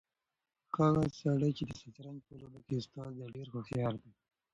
هغه سړی چې د شطرنج په لوبه کې استاد دی ډېر هوښیار دی.